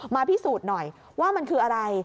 พิสูจน์หน่อยว่ามันคืออะไร